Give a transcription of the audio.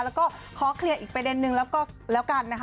แล้วก็ขอเคลียร์อีกประเด็นนึงแล้วก็แล้วกันนะคะ